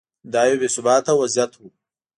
دا یو بې ثباته وضعیت و.